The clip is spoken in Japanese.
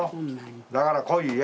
だから来いえ。